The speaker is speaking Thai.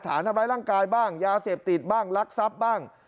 ฐานทำร้ายร่างกายบ้างยาเสพติดบ้างลักทรัพย์บ้าง